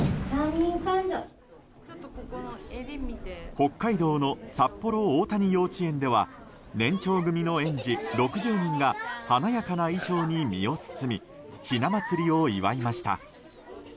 北海道の札幌大谷幼稚園では年長組の園児６０人が華やかな衣装に身を包みひな祭りを祝いました。